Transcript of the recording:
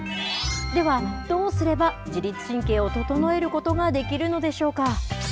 では、どうすれば自律神経を整えることができるのでしょうか。